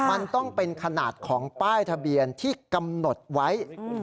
มันต้องเป็นขนาดของป้ายทะเบียนที่กำหนดไว้